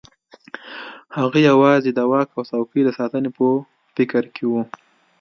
هغه یوازې د واک او څوکۍ د ساتنې په فکر کې وو.